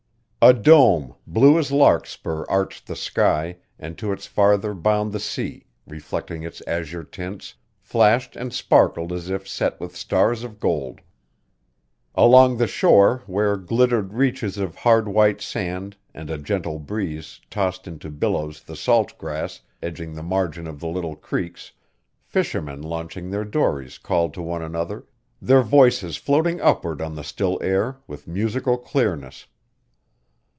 A dome blue as larkspur arched the sky and to its farthest bound the sea, reflecting its azure tints, flashed and sparkled as if set with stars of gold. Along the shore where glittered reaches of hard white sand and a gentle breeze tossed into billows the salt grass edging the margin of the little creeks, fishermen launching their dories called to one another, their voices floating upward on the still air with musical clearness.